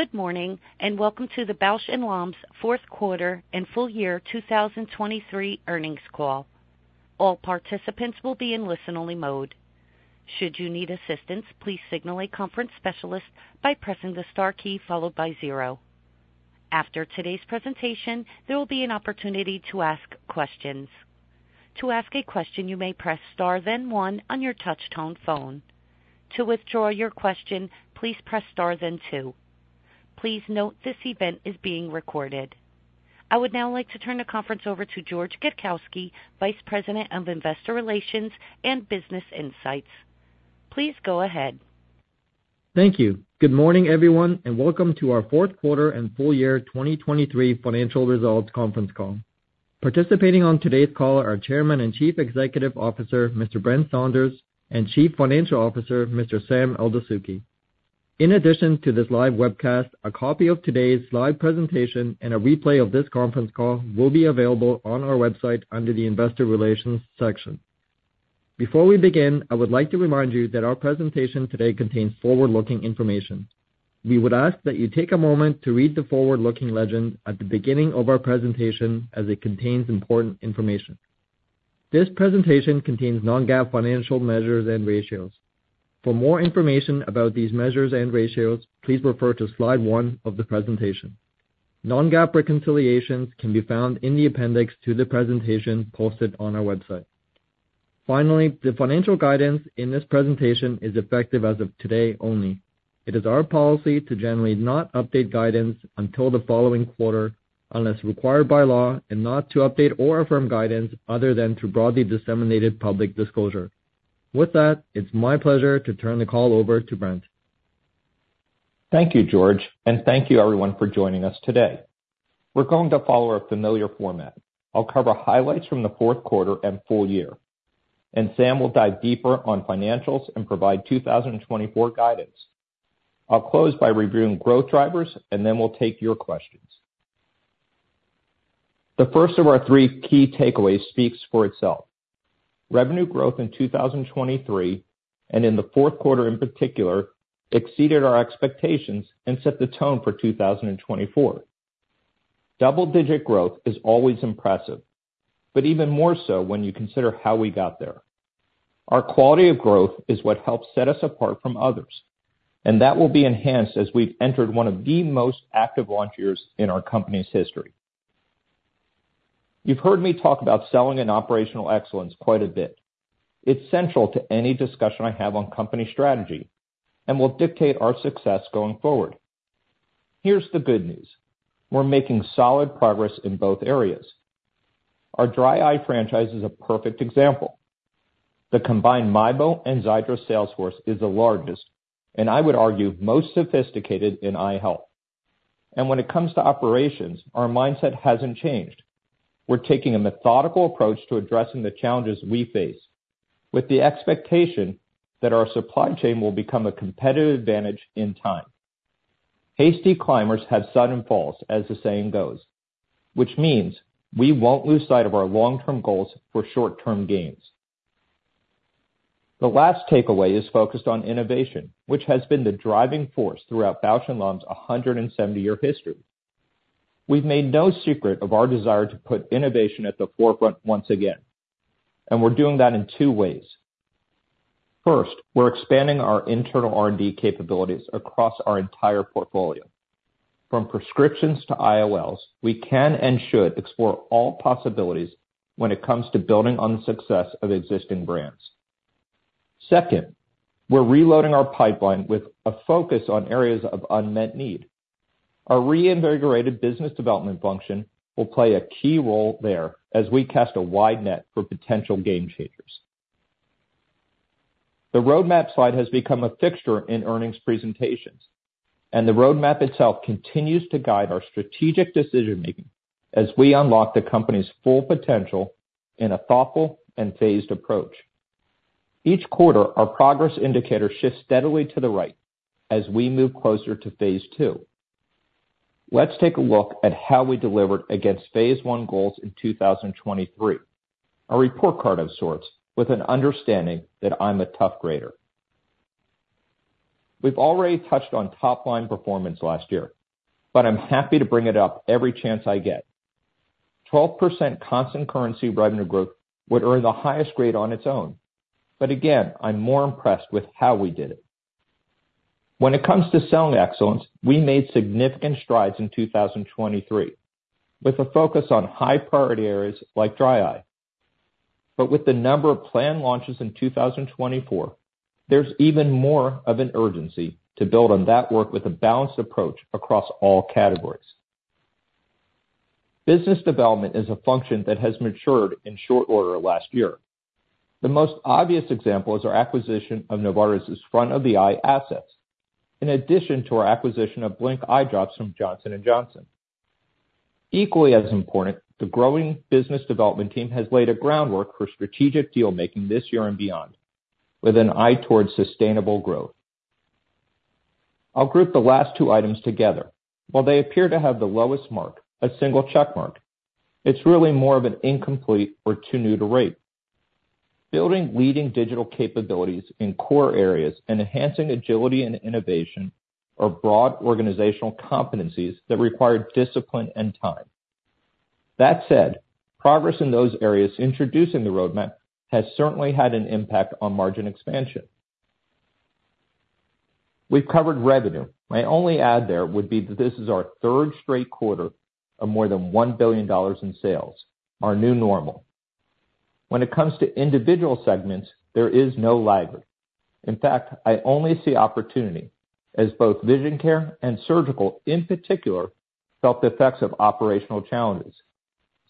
Good morning and welcome to the Bausch + Lomb's fourth quarter and full year 2023 earnings call. All participants will be in listen-only mode. Should you need assistance, please signal a conference specialist by pressing the star key followed by zero. After today's presentation, there will be an opportunity to ask questions. To ask a question, you may press star then one on your touch-tone phone. To withdraw your question, please press star then two. Please note this event is being recorded. I would now like to turn the conference over to George Gadkowski, Vice President of Investor Relations and Business Insights. Please go ahead. Thank you. Good morning, everyone, and welcome to our fourth quarter and full year 2023 financial results conference call. Participating on today's call are Chairman and Chief Executive Officer Mr. Brent Saunders and Chief Financial Officer Mr. Sam Eldessouky. In addition to this live webcast, a copy of today's live presentation and a replay of this conference call will be available on our website under the Investor Relations section. Before we begin, I would like to remind you that our presentation today contains forward-looking information. We would ask that you take a moment to read the forward-looking legend at the beginning of our presentation as it contains important information. This presentation contains non-GAAP financial measures and ratios. For more information about these measures and ratios, please refer to slide 1 of the presentation. Non-GAAP reconciliations can be found in the appendix to the presentation posted on our website. Finally, the financial guidance in this presentation is effective as of today only. It is our policy to generally not update guidance until the following quarter unless required by law and not to update or affirm guidance other than through broadly disseminated public disclosure. With that, it's my pleasure to turn the call over to Brent. Thank you, George, and thank you, everyone, for joining us today. We're going to follow a familiar format. I'll cover highlights from the fourth quarter and full year, and Sam will dive deeper on financials and provide 2024 guidance. I'll close by reviewing growth drivers, and then we'll take your questions. The first of our three key takeaways speaks for itself. Revenue growth in 2023 and in the fourth quarter in particular exceeded our expectations and set the tone for 2024. Double-digit growth is always impressive, but even more so when you consider how we got there. Our quality of growth is what helps set us apart from others, and that will be enhanced as we've entered one of the most active launch years in our company's history. You've heard me talk about selling and operational excellence quite a bit. It's central to any discussion I have on company strategy and will dictate our success going forward. Here's the good news: we're making solid progress in both areas. Our dry eye franchise is a perfect example. The combined MIEBO and XIIDRA sales force is the largest, and I would argue most sophisticated in eye health. When it comes to operations, our mindset hasn't changed. We're taking a methodical approach to addressing the challenges we face with the expectation that our supply chain will become a competitive advantage in time. Hasty climbers have sudden falls, as the saying goes, which means we won't lose sight of our long-term goals for short-term gains. The last takeaway is focused on innovation, which has been the driving force throughout Bausch + Lomb's 170-year history. We've made no secret of our desire to put innovation at the forefront once again, and we're doing that in two ways. First, we're expanding our internal R&D capabilities across our entire portfolio. From prescriptions to IOLs, we can and should explore all possibilities when it comes to building on the success of existing brands. Second, we're reloading our pipeline with a focus on areas of unmet need. Our reinvigorated business development function will play a key role there as we cast a wide net for potential game changers. The roadmap slide has become a fixture in earnings presentations, and the roadmap itself continues to guide our strategic decision-making as we unlock the company's full potential in a thoughtful and phased approach. Each quarter, our progress indicator shifts steadily to the right as we move closer to phase two. Let's take a look at how we delivered against phase one goals in 2023, a report card of sorts with an understanding that I'm a tough grader. We've already touched on top-line performance last year, but I'm happy to bring it up every chance I get. 12% constant currency revenue growth would earn the highest grade on its own, but again, I'm more impressed with how we did it. When it comes to selling excellence, we made significant strides in 2023 with a focus on high-priority areas like dry eye. But with the number of planned launches in 2024, there's even more of an urgency to build on that work with a balanced approach across all categories. Business development is a function that has matured in short order last year. The most obvious example is our acquisition of Novartis's front-of-the-eye assets in addition to our acquisition of Blink Eye Drops from Johnson & Johnson. Equally as important, the growing business development team has laid a groundwork for strategic deal-making this year and beyond with an eye toward sustainable growth. I'll group the last two items together. While they appear to have the lowest mark, a single checkmark, it's really more of an incomplete or too new to rate. Building leading digital capabilities in core areas and enhancing agility and innovation are broad organizational competencies that require discipline and time. That said, progress in those areas introducing the roadmap has certainly had an impact on margin expansion. We've covered revenue. My only add there would be that this is our third straight quarter of more than $1 billion in sales, our new normal. When it comes to individual segments, there is no laggard. In fact, I only see opportunity as both vision care and surgical, in particular, felt the effects of operational challenges,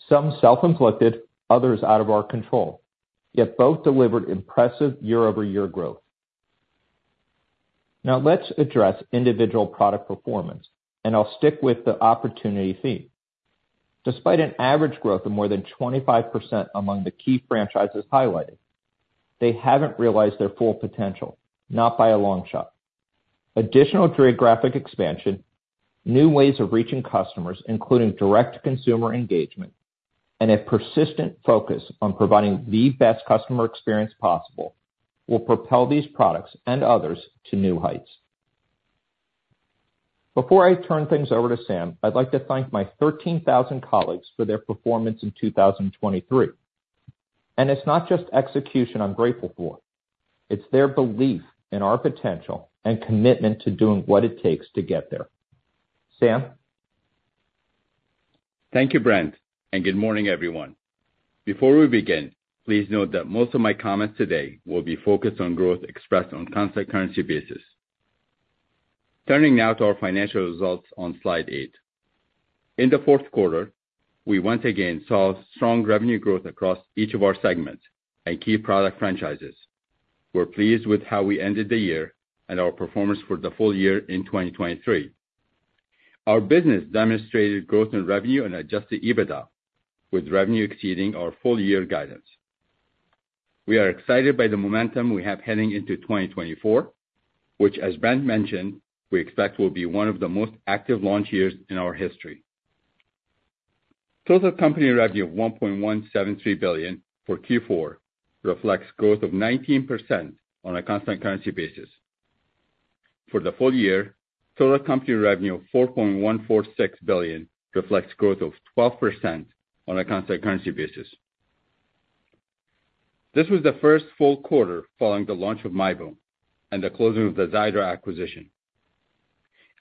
some self-inflicted, others out of our control, yet both delivered impressive year-over-year growth. Now, let's address individual product performance, and I'll stick with the opportunity theme. Despite an average growth of more than 25% among the key franchises highlighted, they haven't realized their full potential, not by a long shot. Additional geographic expansion, new ways of reaching customers, including direct consumer engagement, and a persistent focus on providing the best customer experience possible will propel these products and others to new heights. Before I turn things over to Sam, I'd like to thank my 13,000 colleagues for their performance in 2023. It's not just execution I'm grateful for. It's their belief in our potential and commitment to doing what it takes to get there. Sam? Thank you, Brent, and good morning, everyone. Before we begin, please note that most of my comments today will be focused on growth expressed on constant currency basis. Turning now to our financial results on slide 8. In the fourth quarter, we once again saw strong revenue growth across each of our segments and key product franchises. We're pleased with how we ended the year and our performance for the full year in 2023. Our business demonstrated growth in revenue and Adjusted EBITDA, with revenue exceeding our full-year guidance. We are excited by the momentum we have heading into 2024, which, as Brent mentioned, we expect will be one of the most active launch years in our history. Total company revenue of $1.173 billion for Q4 reflects growth of 19% on a constant currency basis. For the full year, total company revenue of $4.146 billion reflects growth of 12% on a constant currency basis. This was the first full quarter following the launch of MIEBO and the closing of the XIIDRA acquisition.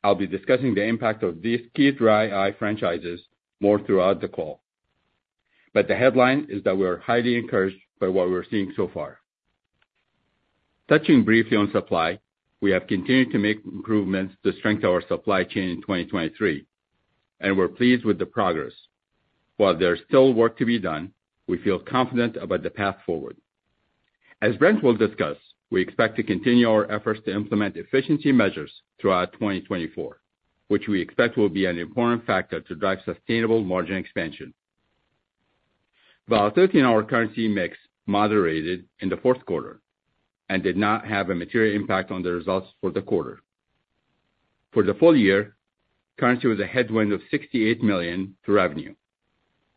I'll be discussing the impact of these key dry eye franchises more throughout the call, but the headline is that we are highly encouraged by what we're seeing so far. Touching briefly on supply, we have continued to make improvements to strengthen our supply chain in 2023, and we're pleased with the progress. While there's still work to be done, we feel confident about the path forward. As Brent will discuss, we expect to continue our efforts to implement efficiency measures throughout 2024, which we expect will be an important factor to drive sustainable margin expansion. While our foreign currency mix moderated in the fourth quarter and did not have a material impact on the results for the quarter, for the full year, currency was a headwind of $68 million to revenue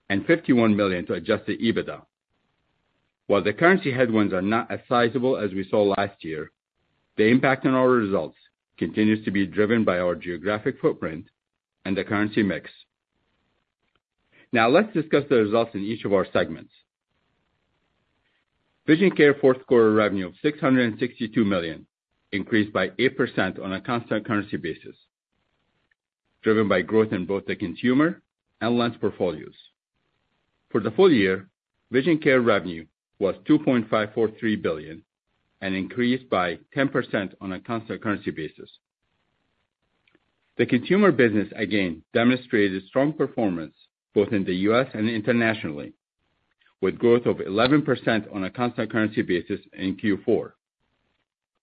and $51 million to Adjusted EBITDA. While the currency headwinds are not as sizable as we saw last year, the impact on our results continues to be driven by our geographic footprint and the currency mix. Now, let's discuss the results in each of our segments. Vision Care fourth quarter revenue of $662 million increased by 8% on a constant currency basis, driven by growth in both the consumer and lens portfolios. For the full year, vision care revenue was $2.543 billion and increased by 10% on a constant currency basis. The consumer business again demonstrated strong performance both in the U.S. and internationally, with growth of 11% on a constant currency basis in Q4.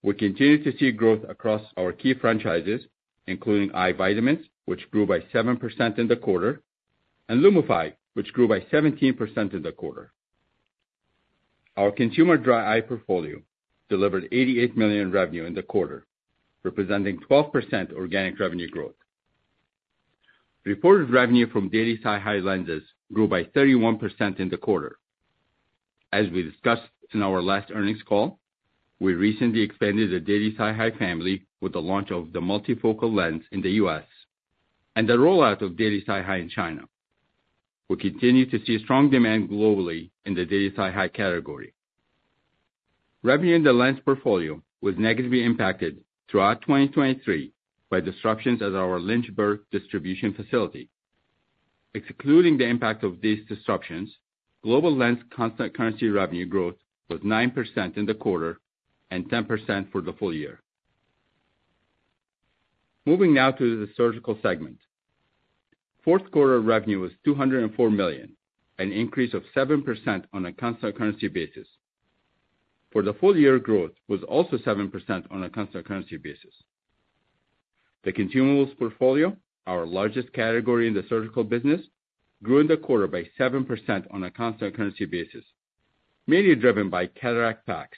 We continue to see growth across our key franchises, including Eye Vitamins, which grew by 7% in the quarter, and Lumify, which grew by 17% in the quarter. Our consumer dry eye portfolio delivered $88 million revenue in the quarter, representing 12% organic revenue growth. Reported revenue from daily SiHy lenses grew by 31% in the quarter. As we discussed in our last earnings call, we recently expanded the daily SiHy family with the launch of the multifocal lens in the U.S. and the rollout of daily SiHy in China. We continue to see strong demand globally in the daily SiHy category. Revenue in the lens portfolio was negatively impacted throughout 2023 by disruptions at our Lynchburg Distribution Facility. Excluding the impact of these disruptions, global lens constant currency revenue growth was 9% in the quarter and 10% for the full year. Moving now to the surgical segment. Fourth quarter revenue was $204 million, an increase of 7% on a constant currency basis. For the full year, growth was also 7% on a constant currency basis. The consumables portfolio, our largest category in the surgical business, grew in the quarter by 7% on a constant currency basis, mainly driven by cataract packs.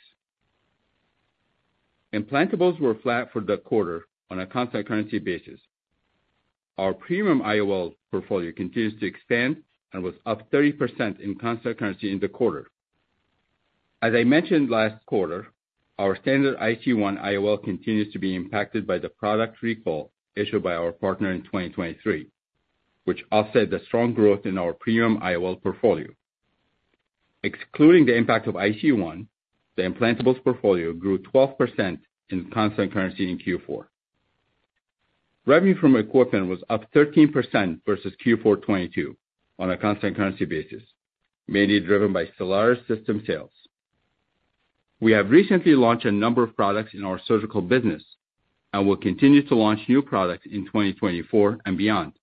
Implantables were flat for the quarter on a constant currency basis. Our premium IOL portfolio continues to expand and was up 30% in constant currency in the quarter. As I mentioned last quarter, our standard EyeCee One IOL continues to be impacted by the product recall issued by our partner in 2023, which offsets the strong growth in our premium IOL portfolio. Excluding the impact of EyeCee One, the implantables portfolio grew 12% in constant currency in Q4. Revenue from equipment was up 13% versus Q4 2022 on a constant currency basis, mainly driven by Stellaris system sales. We have recently launched a number of products in our surgical business and will continue to launch new products in 2024 and beyond,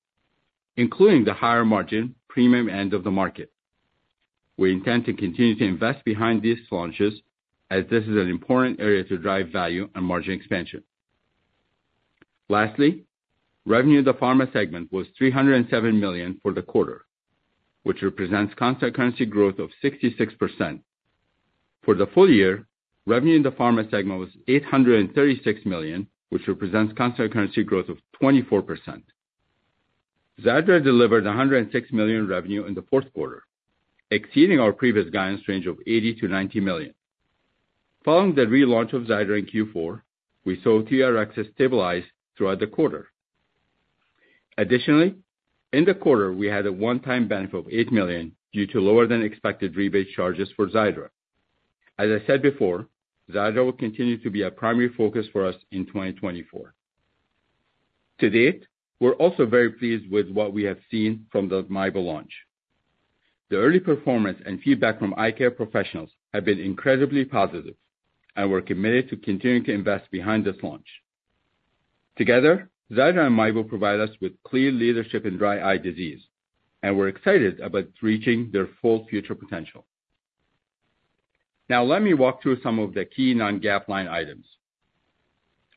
including the higher margin premium end-of-the-market. We intend to continue to invest behind these launches as this is an important area to drive value and margin expansion. Lastly, revenue in the pharma segment was $307 million for the quarter, which represents constant currency growth of 66%. For the full year, revenue in the pharma segment was $836 million, which represents constant currency growth of 24%. XIIDRA delivered $106 million revenue in the fourth quarter, exceeding our previous guidance range of $80-$90 million. Following the relaunch of XIIDRA in Q4, we saw TRx stabilize throughout the quarter. Additionally, in the quarter, we had a one-time benefit of $8 million due to lower-than-expected rebate charges for XIIDRA. As I said before, XIIDRA will continue to be a primary focus for us in 2024. To date, we're also very pleased with what we have seen from the MIEBO launch. The early performance and feedback from eye care professionals have been incredibly positive, and we're committed to continuing to invest behind this launch. Together, XIIDRA and MIEBO provide us with clear leadership in dry eye disease, and we're excited about reaching their full future potential. Now, let me walk through some of the key non-GAAP line items.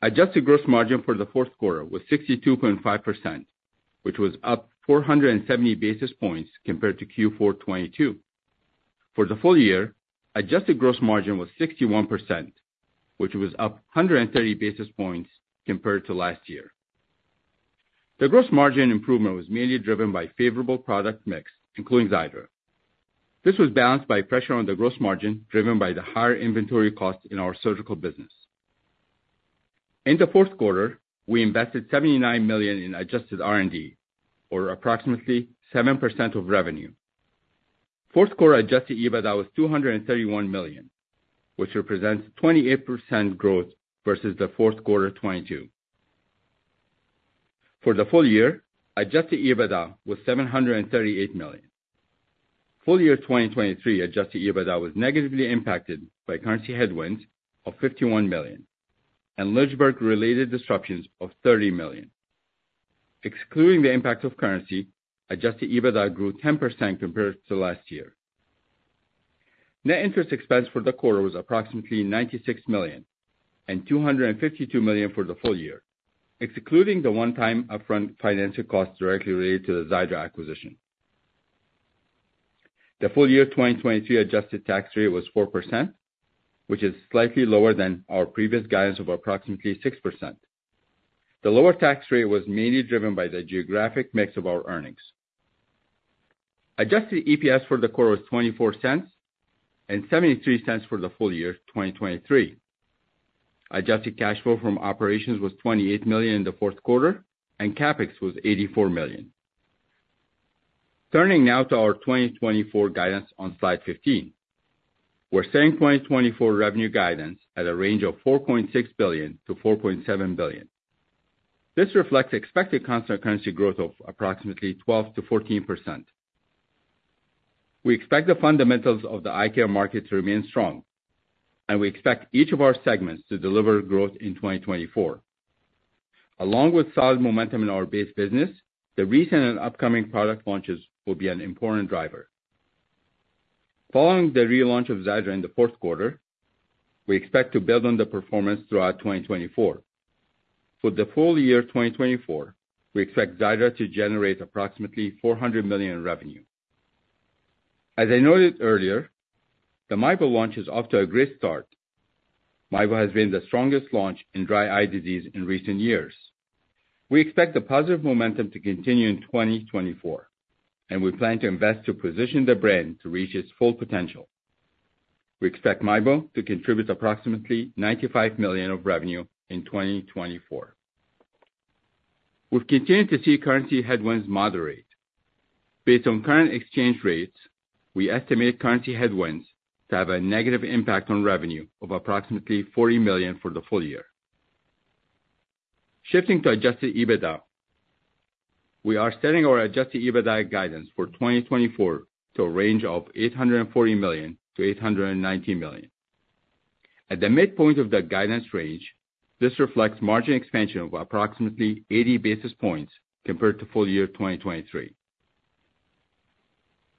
Adjusted gross margin for the fourth quarter was 62.5%, which was up 470 basis points compared to Q4 2022. For the full year, adjusted gross margin was 61%, which was up 130 basis points compared to last year. The gross margin improvement was mainly driven by favorable product mix, including XIIDRA. This was balanced by pressure on the gross margin driven by the higher inventory costs in our surgical business. In the fourth quarter, we invested $79 million in adjusted R&D, or approximately 7% of revenue. Fourth quarter Adjusted EBITDA was $231 million, which represents 28% growth versus the fourth quarter 2022. For the full year, Adjusted EBITDA was $738 million. Full year 2023 Adjusted EBITDA was negatively impacted by currency headwinds of $51 million and Lynchburg-related disruptions of $30 million. Excluding the impact of currency, Adjusted EBITDA grew 10% compared to last year. Net interest expense for the quarter was approximately $96 million and $252 million for the full year, excluding the one-time upfront financial costs directly related to the XIIDRA acquisition. The full year 2023 adjusted tax rate was 4%, which is slightly lower than our previous guidance of approximately 6%. The lower tax rate was mainly driven by the geographic mix of our earnings. Adjusted EPS for the quarter was $0.24 and $0.73 for the full year 2023. Adjusted cash flow from operations was $28 million in the fourth quarter, and CapEx was $84 million. Turning now to our 2024 guidance on slide 15. We're setting 2024 revenue guidance at a range of $4.6 billion-$4.7 billion. This reflects expected constant currency growth of approximately 12%-14%. We expect the fundamentals of the eye care market to remain strong, and we expect each of our segments to deliver growth in 2024. Along with solid momentum in our base business, the recent and upcoming product launches will be an important driver. Following the relaunch of XIIDRA in the fourth quarter, we expect to build on the performance throughout 2024. For the full year 2024, we expect XIIDRA to generate approximately $400 million revenue. As I noted earlier, the MIEBO launch is off to a great start. MIEBO has been the strongest launch in dry eye disease in recent years. We expect the positive momentum to continue in 2024, and we plan to invest to position the brand to reach its full potential. We expect MIEBO to contribute approximately $95 million of revenue in 2024. We've continued to see currency headwinds moderate. Based on current exchange rates, we estimate currency headwinds to have a negative impact on revenue of approximately $40 million for the full year. Shifting to adjusted EBITDA. We are setting our adjusted EBITDA guidance for 2024 to a range of $840 million-$890 million. At the midpoint of the guidance range, this reflects margin expansion of approximately 80 basis points compared to full year 2023.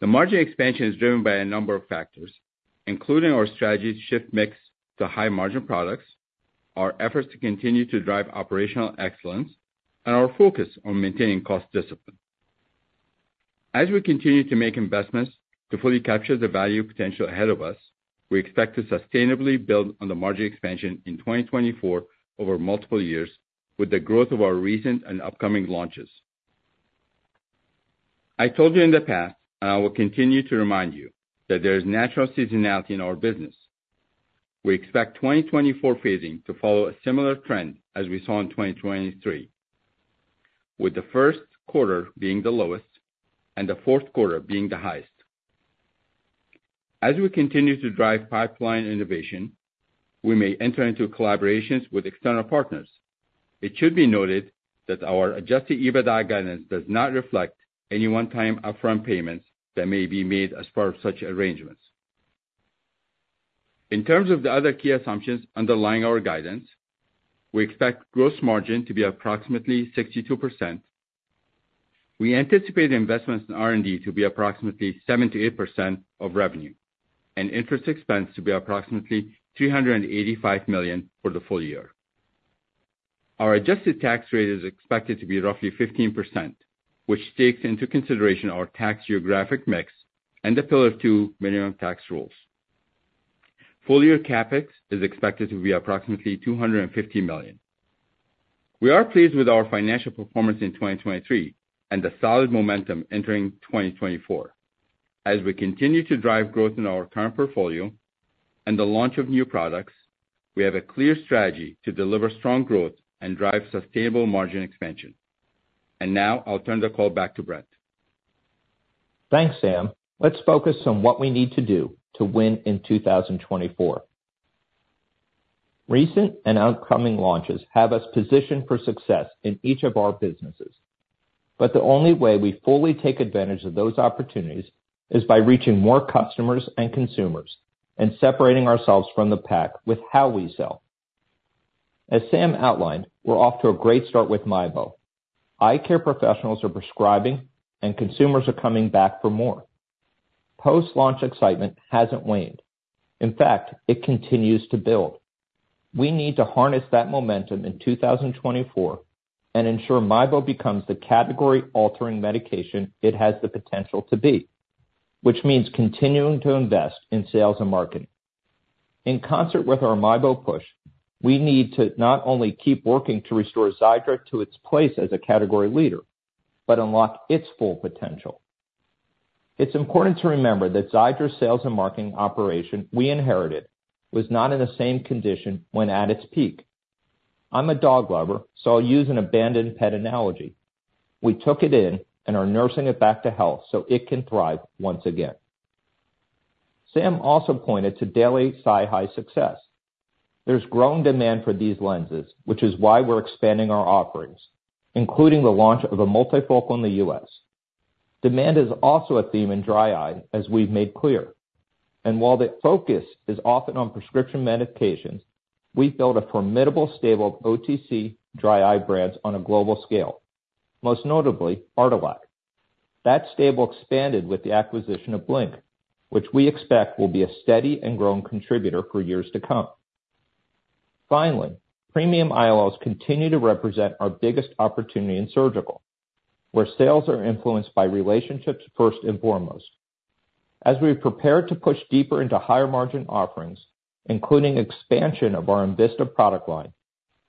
The margin expansion is driven by a number of factors, including our strategy to shift mix to high-margin products, our efforts to continue to drive operational excellence, and our focus on maintaining cost discipline. As we continue to make investments to fully capture the value potential ahead of us, we expect to sustainably build on the margin expansion in 2024 over multiple years with the growth of our recent and upcoming launches. I told you in the past, and I will continue to remind you, that there is natural seasonality in our business. We expect 2024 phasing to follow a similar trend as we saw in 2023, with the first quarter being the lowest and the fourth quarter being the highest. As we continue to drive pipeline innovation, we may enter into collaborations with external partners. It should be noted that our Adjusted EBITDA guidance does not reflect any one-time upfront payments that may be made as part of such arrangements. In terms of the other key assumptions underlying our guidance, we expect gross margin to be approximately 62%. We anticipate investments in R&D to be approximately 7%-8% of revenue, and interest expense to be approximately $385 million for the full year. Our adjusted tax rate is expected to be roughly 15%, which takes into consideration our tax geographic mix and the Pillar 2 minimum tax rules. Full-year CapEx is expected to be approximately $250 million. We are pleased with our financial performance in 2023 and the solid momentum entering 2024. As we continue to drive growth in our current portfolio and the launch of new products, we have a clear strategy to deliver strong growth and drive sustainable margin expansion. Now, I'll turn the call back to Brent. Thanks, Sam. Let's focus on what we need to do to win in 2024. Recent and upcoming launches have us positioned for success in each of our businesses, but the only way we fully take advantage of those opportunities is by reaching more customers and consumers and separating ourselves from the pack with how we sell. As Sam outlined, we're off to a great start with MIEBO. Eye care professionals are prescribing, and consumers are coming back for more. Post-launch excitement hasn't waned. In fact, it continues to build. We need to harness that momentum in 2024 and ensure MIEBO becomes the category-altering medication it has the potential to be, which means continuing to invest in sales and marketing. In concert with our MIEBO push, we need to not only keep working to restore XIIDRA to its place as a category leader but unlock its full potential. It's important to remember that XIIDRA's sales and marketing operation we inherited was not in the same condition when at its peak. I'm a dog lover, so I'll use an abandoned pet analogy. We took it in and are nursing it back to health so it can thrive once again. Sam also pointed to daily SiHy success. There's growing demand for these lenses, which is why we're expanding our offerings, including the launch of a multifocal in the U.S. Demand is also a theme in dry eye, as we've made clear. While the focus is often on prescription medications, we've built a formidable stable of OTC dry eye brands on a global scale, most notably Artelac. That stable expanded with the acquisition of Blink, which we expect will be a steady and growing contributor for years to come. Finally, premium IOLs continue to represent our biggest opportunity in surgical, where sales are influenced by relationships first and foremost. As we prepare to push deeper into higher-margin offerings, including expansion of our enVista product line,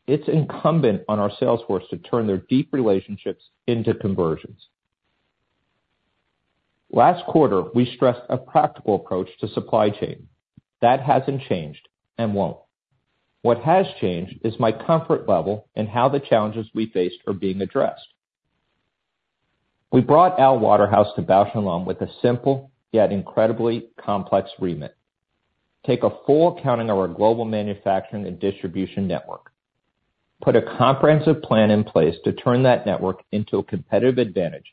it's incumbent on our salesforce to turn their deep relationships into conversions. Last quarter, we stressed a practical approach to supply chain. That hasn't changed and won't. What has changed is my comfort level and how the challenges we faced are being addressed. We brought Al Waterhouse to Bausch + Lomb with a simple yet incredibly complex remit: take a full accounting of our global manufacturing and distribution network, put a comprehensive plan in place to turn that network into a competitive advantage,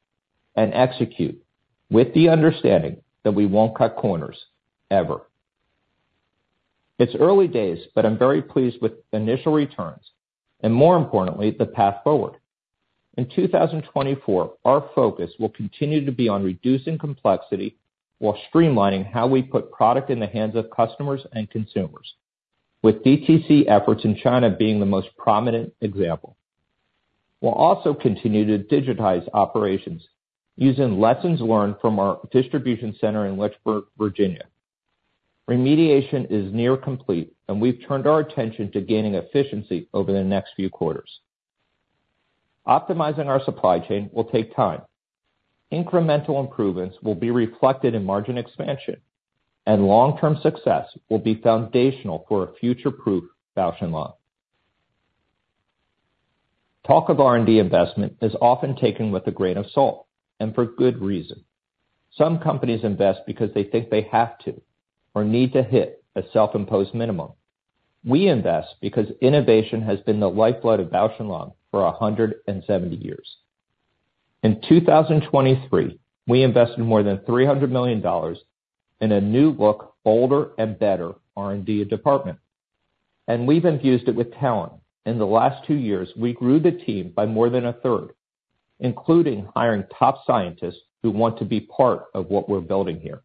and execute with the understanding that we won't cut corners, ever. It's early days, but I'm very pleased with initial returns and, more importantly, the path forward. In 2024, our focus will continue to be on reducing complexity while streamlining how we put product in the hands of customers and consumers, with DTC efforts in China being the most prominent example. We'll also continue to digitize operations using lessons learned from our distribution center in Lynchburg, Virginia. Remediation is near complete, and we've turned our attention to gaining efficiency over the next few quarters. Optimizing our supply chain will take time. Incremental improvements will be reflected in margin expansion, and long-term success will be foundational for a future-proof Bausch + Lomb. Talk of R&D investment is often taken with a grain of salt, and for good reason. Some companies invest because they think they have to or need to hit a self-imposed minimum. We invest because innovation has been the lifeblood of Bausch + Lomb for 170 years. In 2023, we invested more than $300 million in a new-look, bolder, and better R&D department, and we've infused it with talent. In the last two years, we grew the team by more than a third, including hiring top scientists who want to be part of what we're building here.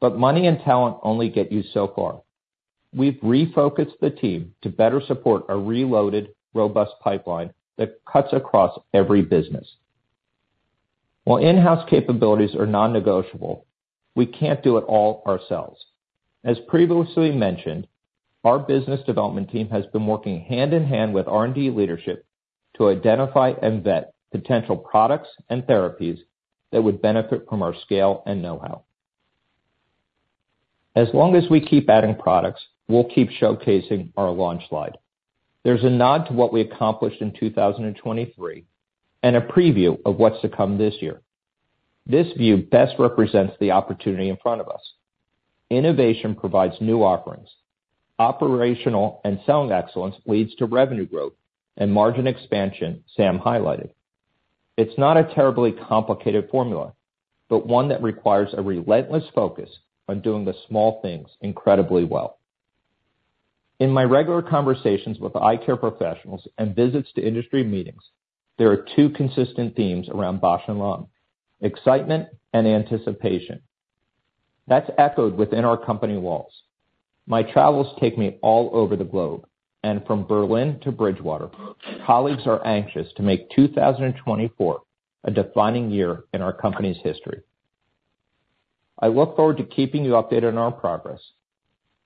But money and talent only get you so far. We've refocused the team to better support a reloaded, robust pipeline that cuts across every business. While in-house capabilities are non-negotiable, we can't do it all ourselves. As previously mentioned, our business development team has been working hand in hand with R&D leadership to identify and vet potential products and therapies that would benefit from our scale and know-how. As long as we keep adding products, we'll keep showcasing our launch slide. There's a nod to what we accomplished in 2023 and a preview of what's to come this year. This view best represents the opportunity in front of us. Innovation provides new offerings. Operational and selling excellence leads to revenue growth and margin expansion, Sam highlighted. It's not a terribly complicated formula, but one that requires a relentless focus on doing the small things incredibly well. In my regular conversations with eye care professionals and visits to industry meetings, there are two consistent themes around Bausch + Lomb: excitement and anticipation. That's echoed within our company walls. My travels take me all over the globe, and from Berlin to Bridgewater, colleagues are anxious to make 2024 a defining year in our company's history. I look forward to keeping you updated on our progress.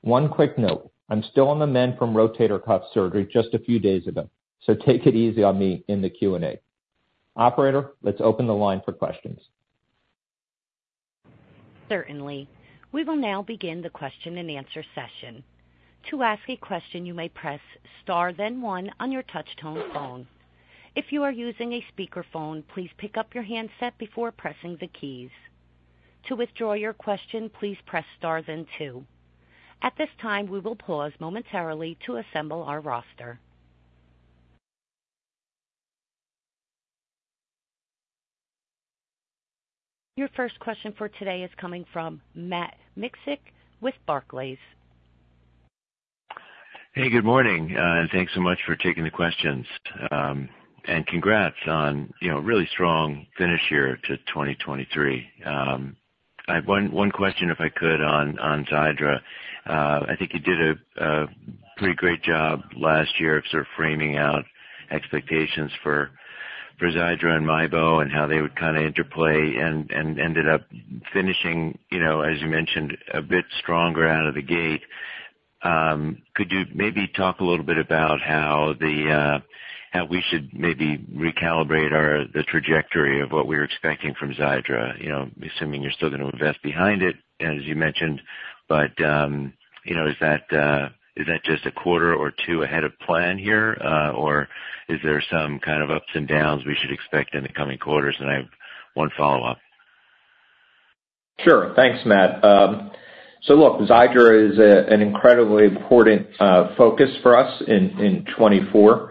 One quick note: I'm still on the mend from rotator cuff surgery just a few days ago, so take it easy on me in the Q&A. Operator, let's open the line for questions. Certainly. We will now begin the question-and-answer session. To ask a question, you may press star then one on your touch-tone phone. If you are using a speakerphone, please pick up your handset before pressing the keys. To withdraw your question, please press star then two. At this time, we will pause momentarily to assemble our roster. Your first question for today is coming from Matt Miksic with Barclays. Hey, good morning, and thanks so much for taking the questions. Congrats on a really strong finish here to 2023. One question, if I could, on XIIDRA. I think you did a pretty great job last year of sort of framing out expectations for XIIDRA and MIEBO and how they would kind of interplay and ended up finishing, as you mentioned, a bit stronger out of the gate. Could you maybe talk a little bit about how we should maybe recalibrate the trajectory of what we were expecting from XIIDRA, assuming you're still going to invest behind it, as you mentioned? But is that just a quarter or two ahead of plan here, or is there some kind of ups and downs we should expect in the coming quarters? And I have one follow-up. Sure. Thanks, Matt. So look, XIIDRA is an incredibly important focus for us in 2024.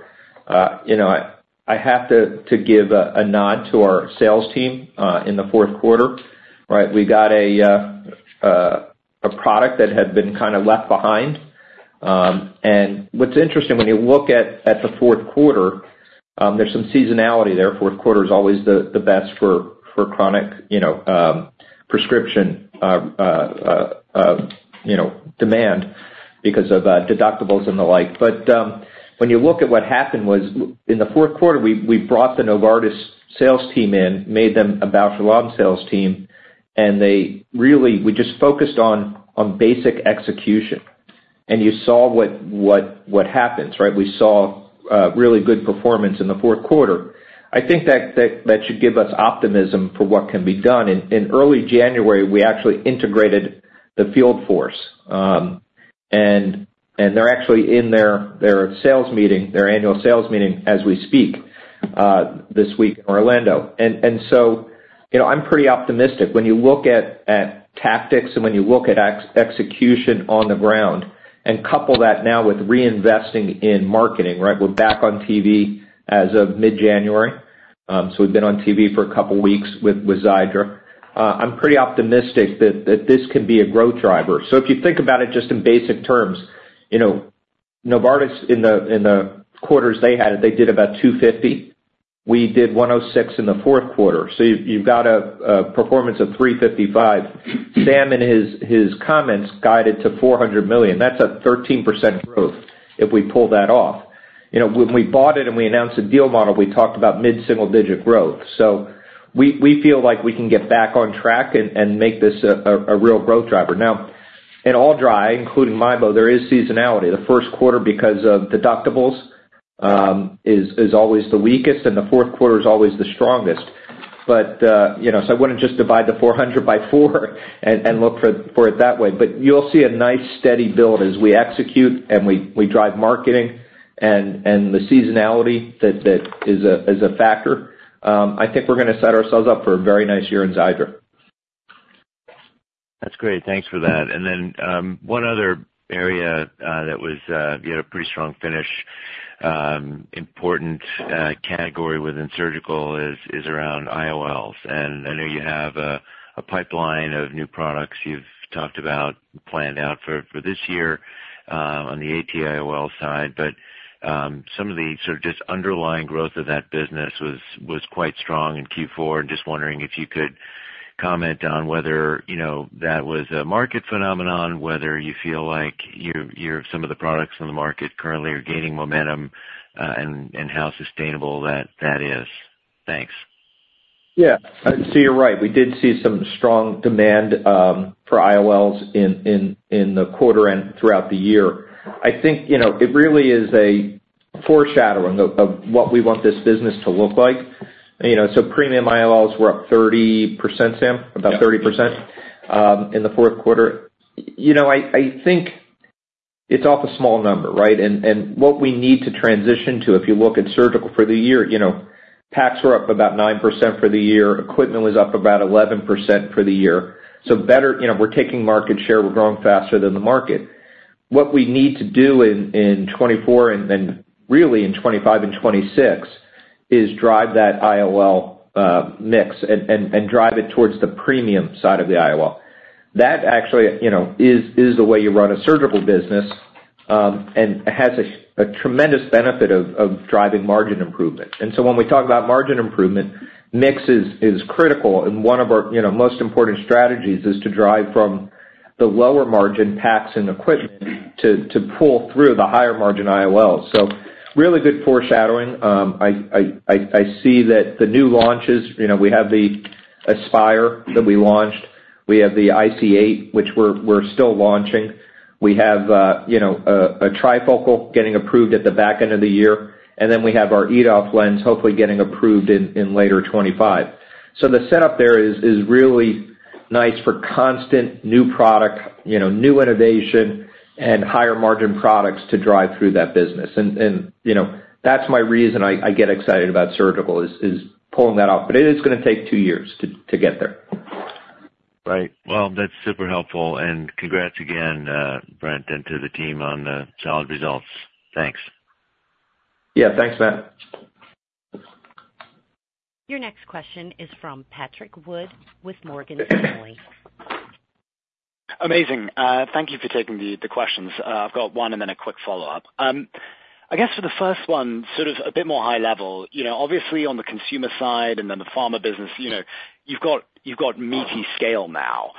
I have to give a nod to our sales team in the fourth quarter. We got a product that had been kind of left behind. And what's interesting, when you look at the fourth quarter, there's some seasonality there. Fourth quarter is always the best for chronic prescription demand because of deductibles and the like. But when you look at what happened was, in the fourth quarter, we brought the Novartis sales team in, made them a Bausch + Lomb sales team, and we just focused on basic execution. And you saw what happens. We saw really good performance in the fourth quarter. I think that should give us optimism for what can be done. In early January, we actually integrated the field force. They're actually in their annual sales meeting as we speak this week in Orlando. So I'm pretty optimistic. When you look at tactics and when you look at execution on the ground and couple that now with reinvesting in marketing, we're back on TV as of mid-January. So we've been on TV for a couple of weeks with XIIDRA. I'm pretty optimistic that this can be a growth driver. So if you think about it just in basic terms, Novartis, in the quarters they had it, they did about $250 million. We did $106 million in the fourth quarter. So you've got a performance of $355 million. Sam, in his comments, guided to $400 million. That's a 13% growth if we pull that off. When we bought it and we announced a deal model, we talked about mid-single-digit growth. So we feel like we can get back on track and make this a real growth driver. Now, in all dry, including MIEBO, there is seasonality. The first quarter, because of deductibles, is always the weakest, and the fourth quarter is always the strongest. So I wouldn't just divide the 400 by 4 and look for it that way. But you'll see a nice, steady build as we execute and we drive marketing, and the seasonality that is a factor. I think we're going to set ourselves up for a very nice year in XIIDRA. That's great. Thanks for that. And then one other area that you had a pretty strong finish, important category within surgical, is around IOLs. And I know you have a pipeline of new products you've talked about, planned out for this year on the AT-IOL side. But some of the sort of just underlying growth of that business was quite strong in Q4. And just wondering if you could comment on whether that was a market phenomenon, whether you feel like some of the products in the market currently are gaining momentum, and how sustainable that is. Thanks. Yeah. So you're right. We did see some strong demand for IOLs in the quarter and throughout the year. I think it really is a foreshadowing of what we want this business to look like. So premium IOLs, we're up 30%, Sam, about 30% in the fourth quarter. I think it's off a small number. And what we need to transition to, if you look at surgical for the year, packs were up about 9% for the year. Equipment was up about 11% for the year. So we're taking market share. We're growing faster than the market. What we need to do in 2024, and really in 2025 and 2026, is drive that IOL mix and drive it towards the premium side of the IOL. That actually is the way you run a surgical business and has a tremendous benefit of driving margin improvement. And so when we talk about margin improvement, mix is critical. One of our most important strategies is to drive from the lower margin packs and equipment to pull through the higher margin IOLs. So really good foreshadowing. I see that the new launches we have the Aspire that we launched. We have the IC-8, which we're still launching. We have a trifocal getting approved at the back end of the year. And then we have our EDOF lens, hopefully getting approved in later 2025. So the setup there is really nice for constant new product, new innovation, and higher margin products to drive through that business. And that's my reason I get excited about surgical, is pulling that off. But it is going to take 2 years to get there. Right. Well, that's super helpful. And congrats again, Brent, and to the team on the solid results. Thanks. Yeah. Thanks, Matt. Your next question is from Patrick Wood with Morgan Stanley. Amazing. Thank you for taking the questions. I've got one and then a quick follow-up. I guess for the first one, sort of a bit more high-level, obviously, on the consumer side and then the pharma business, you've got meaty scale now.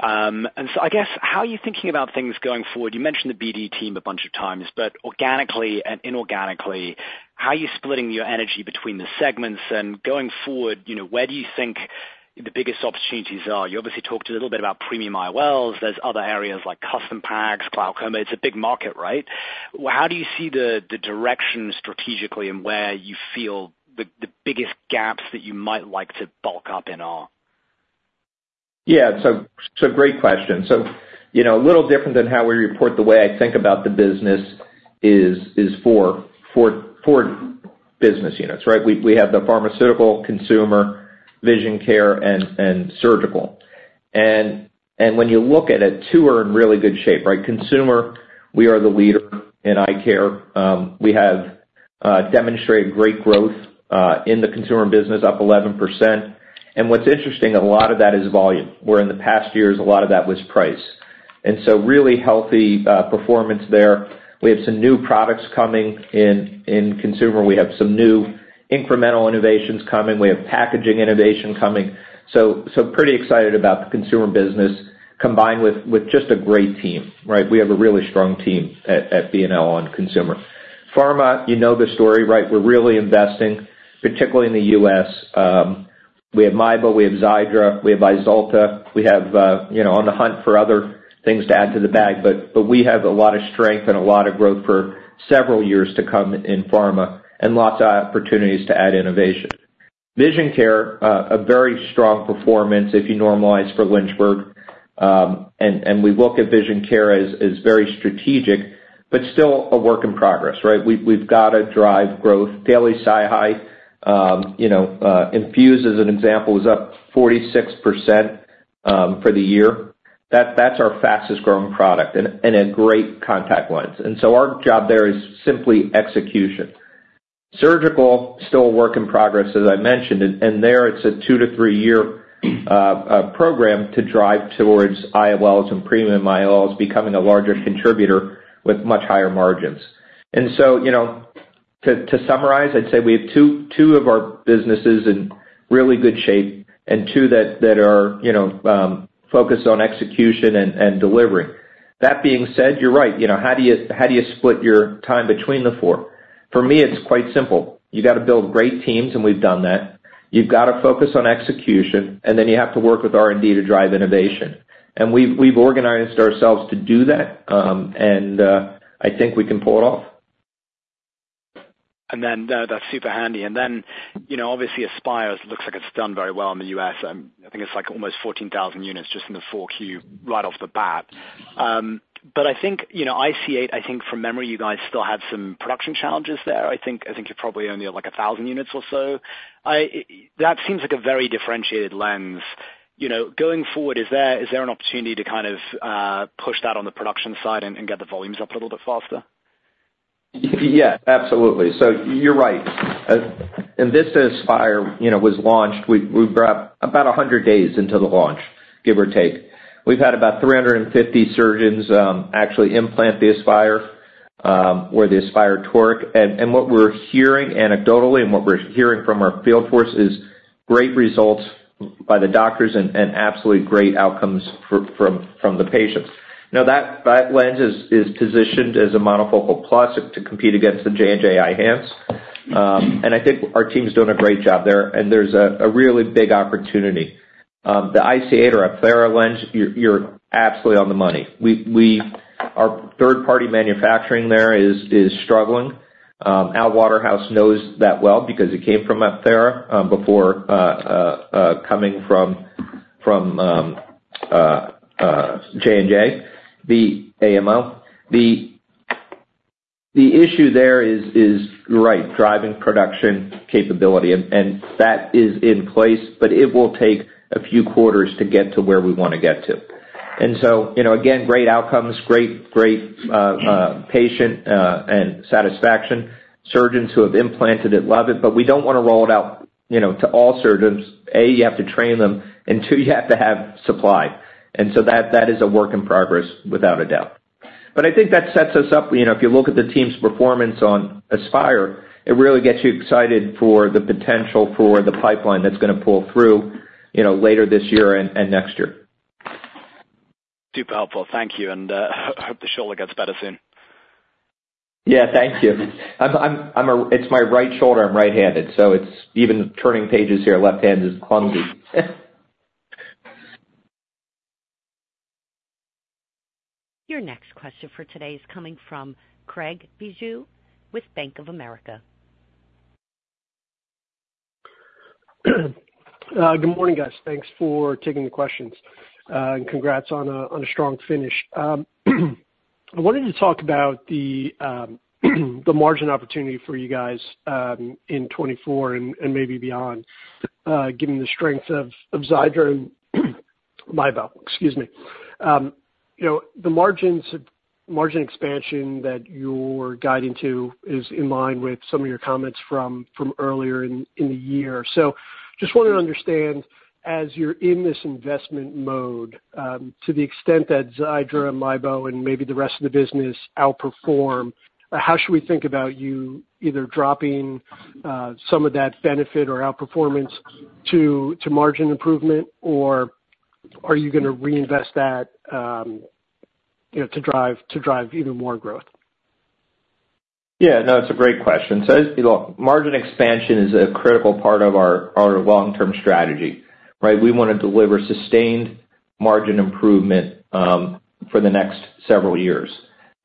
And so I guess how are you thinking about things going forward? You mentioned the BD team a bunch of times. But organically and inorganically, how are you splitting your energy between the segments? And going forward, where do you think the biggest opportunities are? You obviously talked a little bit about premium IOLs. There's other areas like custom packs, glaucoma. It's a big market, right? How do you see the direction strategically and where you feel the biggest gaps that you might like to bulk up in are? Yeah. So great question. So a little different than how we report, the way I think about the business is four business units. We have the pharmaceutical, consumer, vision care, and surgical. And when you look at it, two are in really good shape. Consumer, we are the leader in eye care. We have demonstrated great growth in the consumer business, up 11%. And what's interesting, a lot of that is volume, where in the past years, a lot of that was price. And so really healthy performance there. We have some new products coming in consumer. We have some new incremental innovations coming. We have packaging innovation coming. So pretty excited about the consumer business combined with just a great team. We have a really strong team at B&L on consumer. Pharma, you know the story, right? We're really investing, particularly in the U.S. We have MIEBO. We have XIIDRA. We have VYZULTA. We have on the hunt for other things to add to the bag. But we have a lot of strength and a lot of growth for several years to come in pharma and lots of opportunities to add innovation. Vision care, a very strong performance if you normalize for Lynchburg. And we look at vision care as very strategic but still a work in progress. We've got to drive growth. daily SiHy Infuse, as an example, is up 46% for the year. That's our fastest-growing product and a great contact lens. And so our job there is simply execution. Surgical, still a work in progress, as I mentioned. And there, it's a 2-3-year program to drive towards IOLs and premium IOLs becoming a larger contributor with much higher margins. And so to summarize, I'd say we have two of our businesses in really good shape and two that are focused on execution and delivery. That being said, you're right. How do you split your time between the four? For me, it's quite simple. You got to build great teams, and we've done that. You've got to focus on execution. And then you have to work with R&D to drive innovation. And we've organized ourselves to do that. And I think we can pull it off. And then that's super handy. And then obviously, Aspire looks like it's done very well in the U.S. I think it's almost 14,000 units just in the Q4 right off the bat. But I think IC-8, I think from memory, you guys still have some production challenges there. I think you're probably only at 1,000 units or so. That seems like a very differentiated lens. Going forward, is there an opportunity to kind of push that on the production side and get the volumes up a little bit faster? Yeah. Absolutely. So you're right. And this Aspire was launched. We were about 100 days into the launch, give or take. We've had about 350 surgeons actually implant the Aspire Toric. And what we're hearing anecdotally and what we're hearing from our field force is great results by the doctors and absolutely great outcomes from the patients. Now, that lens is positioned as a monofocal plus to compete against the J&J Eyhance. And I think our teams doing a great job there. And there's a really big opportunity. The IC-8 or Apthera lens, you're absolutely on the money. Our third-party manufacturing there is struggling. Al Waterhouse knows that well because it came from Apthera before coming from J&J, the AMO. The issue there is, right, driving production capability. And that is in place. But it will take a few quarters to get to where we want to get to. And so again, great outcomes, great patient and satisfaction. Surgeons who have implanted it love it. But we don't want to roll it out to all surgeons. A, you have to train them. And two, you have to have supply. And so that is a work in progress, without a doubt. But I think that sets us up. If you look at the team's performance on Aspire, it really gets you excited for the potential for the pipeline that's going to pull through later this year and next year. Super helpful. Thank you. And hope the shoulder gets better soon. Yeah. Thank you. It's my right shoulder. I'm right-handed. So it's even turning pages here. Left-handed is clumsy. Your next question for today is coming from Craig Bijou with Bank of America. Good morning, guys. Thanks for taking the questions. And congrats on a strong finish. I wanted to talk about the margin opportunity for you guys in 2024 and maybe beyond, given the strength of XIIDRA and MIEBO. Excuse me. The margin expansion that you're guiding to is in line with some of your comments from earlier in the year. So just wanted to understand, as you're in this investment mode, to the extent that XIIDRA and MIEBO and maybe the rest of the business outperform, how should we think about you either dropping some of that benefit or outperformance to margin improvement? Or are you going to reinvest that to drive even more growth? Yeah. No. It's a great question. So look, margin expansion is a critical part of our long-term strategy. We want to deliver sustained margin improvement for the next several years.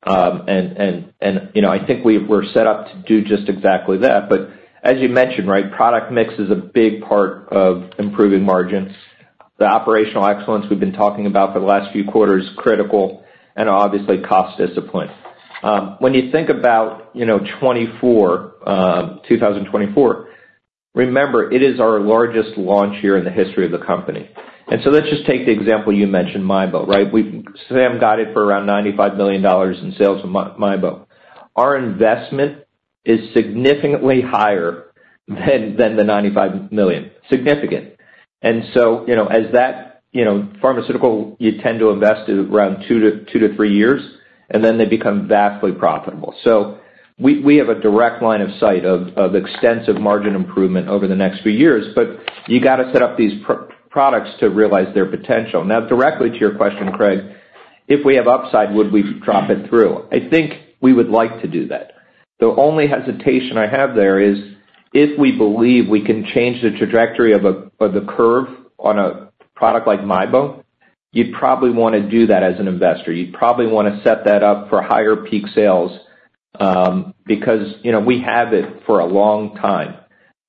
And I think we're set up to do just exactly that. But as you mentioned, product mix is a big part of improving margin. The operational excellence we've been talking about for the last few quarters is critical. And obviously, cost discipline. When you think about 2024, remember, it is our largest launch year in the history of the company. And so let's just take the example you mentioned, MIEBO. Sam guided for around $95 million in sales with MIEBO. Our investment is significantly higher than the $95 million, significant. And so as that pharmaceutical, you tend to invest around two to three years. And then they become vastly profitable. So we have a direct line of sight of extensive margin improvement over the next few years. But you got to set up these products to realize their potential. Now, directly to your question, Craig, if we have upside, would we drop it through? I think we would like to do that. The only hesitation I have there is if we believe we can change the trajectory of the curve on a product like MIEBO, you'd probably want to do that as an investor. You'd probably want to set that up for higher peak sales because we have it for a long time.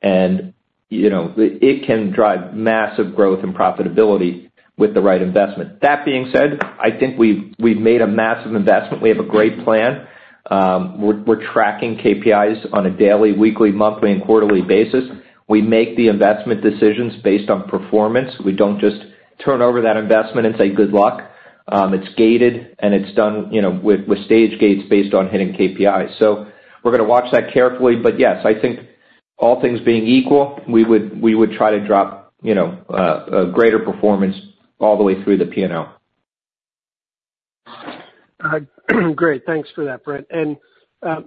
And it can drive massive growth and profitability with the right investment. That being said, I think we've made a massive investment. We have a great plan. We're tracking KPIs on a daily, weekly, monthly, and quarterly basis. We make the investment decisions based on performance. We don't just turn over that investment and say, "Good luck." It's gated. And it's done with stage gates based on hidden KPIs. So we're going to watch that carefully. But yes, I think all things being equal, we would try to drop a greater performance all the way through the P&L. Great. Thanks for that, Brent. And